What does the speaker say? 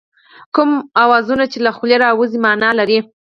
کوم اوازونه چې له خولې راوځي مانا لري